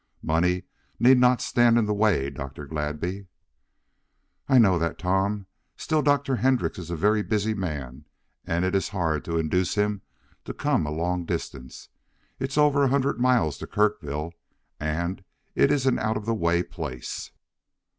Money need not stand in the way, Dr. Gladby." "I knew that, Tom. Still Dr. Hendrix is a very busy man, and it is hard to induce him to come a long distance. It is over a hundred miles to Kirkville, and it is an out of the way place.